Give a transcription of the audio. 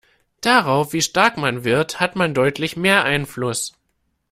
Darauf, wie stark man wird, hat man deutlich mehr Einfluss.